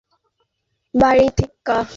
দূরে থাকেন আমার বাড়ি থেইক্কা।